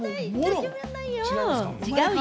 違うよ！